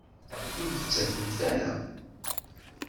Ur d-ttadfemt ara.